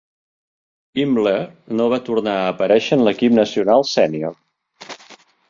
Imler no va tornar a aparèixer en l'equip nacional sènior.